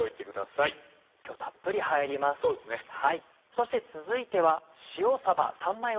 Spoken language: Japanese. そして続いては。